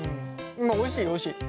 おいしいおいしい。